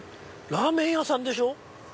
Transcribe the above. ラーメン屋さんでしょ？